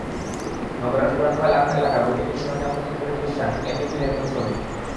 নগরের পুরান কয়লাঘাট এলাকার বৈদ্যুতিক সরঞ্জাম প্রস্তুতকারী প্রতিষ্ঠান এমইপির একজন শ্রমিক।